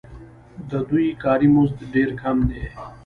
د دوی کاري مزد ډېر کم دی